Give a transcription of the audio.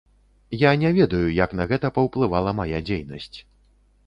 Я не ведаю, як на гэта паўплывала мая дзейнасць.